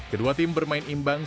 kedua tim bermain imbang